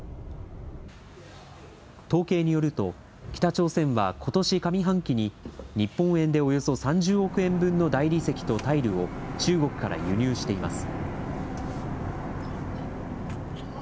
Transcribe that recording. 統計によると、北朝鮮はことし上半期に日本円でおよそ３０億円分の大理石とタイルを中国から輸入しています。